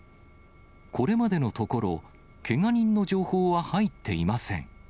これまでのところ、けが人の情報は入っていません。